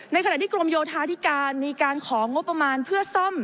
ขณะที่กรมโยธาธิการมีการของงบประมาณเพื่อซ่อม